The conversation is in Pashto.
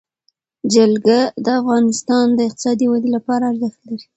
جلګه د افغانستان د اقتصادي ودې لپاره ارزښت لري.